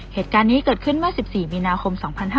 เหตุการณ์นี้เกิดขึ้นเมื่อ๑๔มีนาคม๒๕๕๙